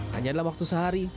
hanya dalam waktu sehari